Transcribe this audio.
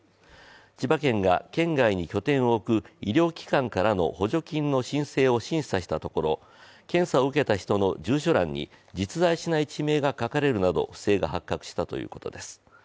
千葉県が県外に拠点を置く医療機関からの補助金の申請を審査したところ検査を受けた人の住所欄に実在しない地名が書かれるなど不正が発覚したということです。